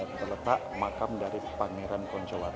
terletak makam dari pangeran koncewate